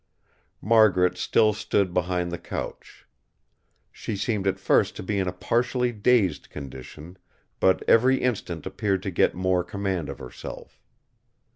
Margaret still stood behind the couch. She seemed at first to be in a partially dazed condition; but every instant appeared to get more command of herself.